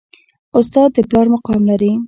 استاد د پلار مقام لري